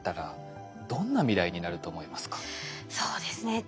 そうですね。